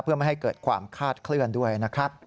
เพื่อไม่ให้เกิดความคาดเคลื่อนด้วยนะครับ